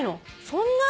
そんな！？